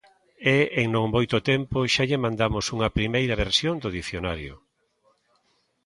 E en non moito tempo xa lle mandamos unha primeira versión do dicionario.